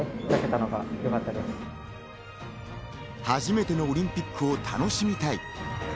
初めてのオリンピックを楽しみたい。